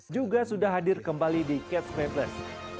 juga sudah hadir kembali di catch play plus